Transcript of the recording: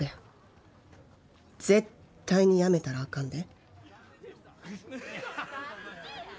絶対にやめたらあかんで。